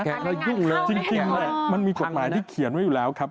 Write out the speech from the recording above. เรายุ่งเลยจริงเนี่ยมันมีกฎหมายที่เขียนไว้อยู่แล้วครับ